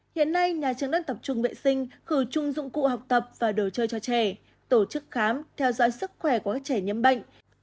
hiện nay nhà trường đang tập trung vệ sinh khử chung dụng cụ học tập và đồ chơi cho trẻ tổ chức khám theo dõi sức khỏe của các trẻ nhiễm bệnh